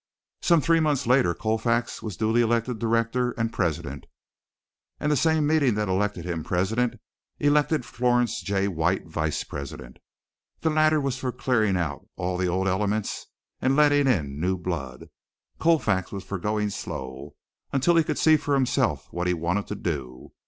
Some three months later Colfax was duly elected director and president, and the same meeting that elected him president elected Florence J. White vice president. The latter was for clearing out all the old elements and letting in new blood. Colfax was for going slow, until he could see for himself what he wanted to do.